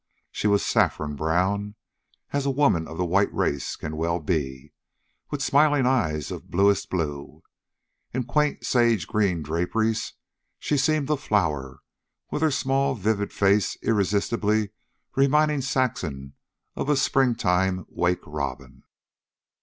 She was saffron brown, as a woman of the white race can well be, with smiling eyes of bluest blue. In quaint sage green draperies, she seemed a flower, with her small vivid face irresistibly reminding Saxon of a springtime wake robin.